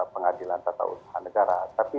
pengadilan tata usaha negara tapi